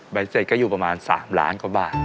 เสร็จก็อยู่ประมาณ๓ล้านกว่าบาท